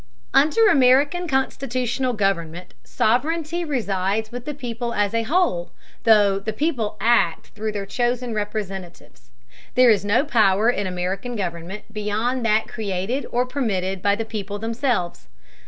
Under American constitutional government, sovereignty resides with the people as a whole, though the people act through their chosen representatives. There is no power in American government beyond that created or permitted by the people themselves.